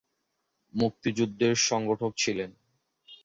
মুক্তিযুদ্ধের সংগঠক ছিলেন।